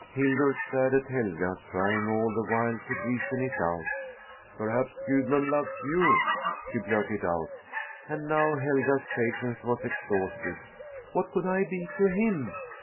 Hildur stared at Helga, trying all the while to reason it out. "Perhaps Gudmund loves you?" she blurted out. And now Helga's patience was exhausted. "What could I be to him?"